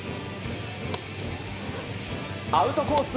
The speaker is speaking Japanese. アウトコース